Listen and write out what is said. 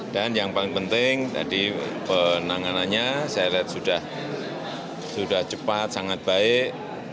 dan yang paling penting tadi penanganannya saya lihat sudah cepat sangat baik